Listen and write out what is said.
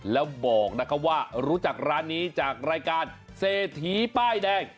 แล้วบอกนะครับว่ารู้จักร้านนี้จากรายการเศรษฐีป้ายแดง